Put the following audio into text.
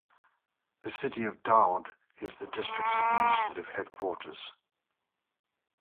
The city of Dahod is the district's administrative headquarters.